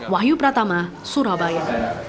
wahyu pratama surabaya